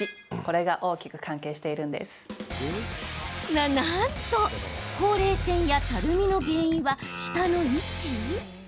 な、なんと、ほうれい線やたるみの原因は、舌の位置？